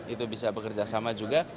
itu bisa bekerja sama juga